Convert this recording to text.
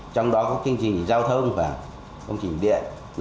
trong đó có chương trình giao thông và công trình điện